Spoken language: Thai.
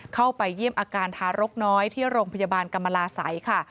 เข้าไปเยี่ยมอาการทารกน้อยที่โรงพยาบาลกรรมลาศัยค่ะ